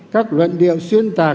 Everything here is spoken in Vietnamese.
các luận điệu xuyên tạc